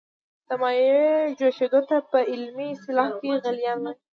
د مایع جوشیدو ته په علمي اصطلاح کې غلیان وايي.